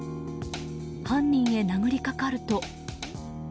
犯人へ殴りかかると。